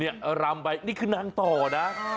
นี่รำไปนี่คือนางต่อนะ